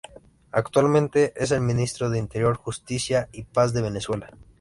Actualmente es el ministro de Interior, Justicia y Paz de Venezuela.